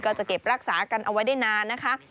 จะเก็บรักษากันเอาไว้ได้นานนะคะ